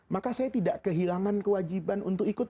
maka saya tidak kehilangan kewajiban untuk ikut